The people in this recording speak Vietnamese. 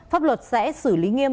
pháp luật sẽ xử lý nghiêm